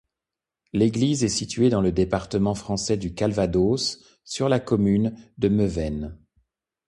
L'église est située dans le département français du Calvados, sur la commune de Meuvaines.